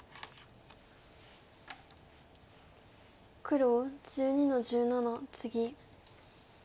黒１２の十七ツギ。